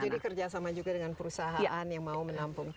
jadi kerja sama juga dengan perusahaan yang mau menampung